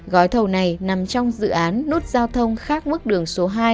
gói thầu này nằm trong dự án nút giao thông khác mức đường số hai